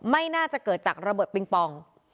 ไม่น่าจะเกิดจากระเบิดปิงปอง